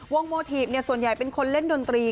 โมทีฟส่วนใหญ่เป็นคนเล่นดนตรี